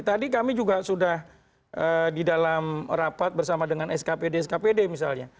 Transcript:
tadi kami juga sudah di dalam rapat bersama dengan skpd skpd misalnya